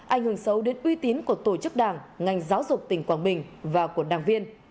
ảnh hưởng xấu đến uy tín của tổ chức đảng ngành giáo dục tỉnh quảng bình và của đảng viên